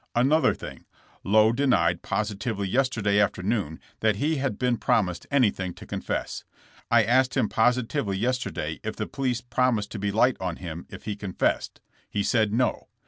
Another thing, Lowe denied positively yester day afternoon that he had been promised anything to confess. I asked him positively yesterday if the police promised to be light on him if he confessed. He said, *'No.''